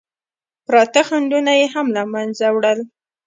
پراته خنډونه یې هم له منځه وړل.